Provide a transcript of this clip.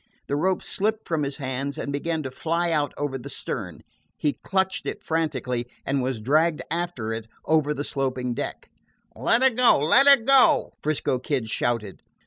The rope slipped from his hands and began to fly out over the stern. He clutched it frantically, and was dragged after it over the sloping deck. "Let her go! Let her go!" 'Frisco Kid shouted.